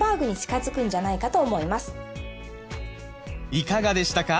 いかがでしたか？